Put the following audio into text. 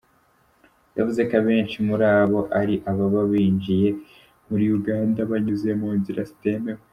Yavuze ko abenshi muri abo ari ababa binjiye muri Uganda banyuze mu nzira zitemewe.